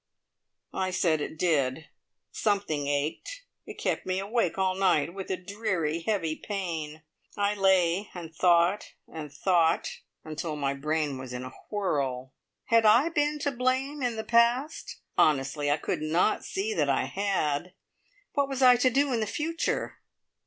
I said it did. Something ached! It kept me awake all night with a dreary, heavy pain. I lay and thought, and thought, until my brain was in a whirl. Had I been to blame in the past? Honestly I could not see that I had. What was I to do in the future?